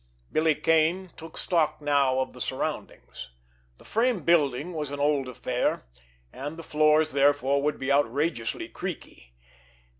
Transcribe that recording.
Billy Kane took stock now of the surroundings. The frame building was an old affair, and the floors therefore would be outrageously creaky.